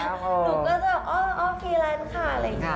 หนูก็จะโอเคแลนด์ค่ะอะไรอย่างนี้